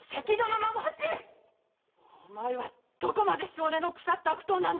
お前はどこまで性根の腐った悪党なんだ。